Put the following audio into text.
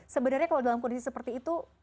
sebenarnya kalau dalam kondisi seperti itu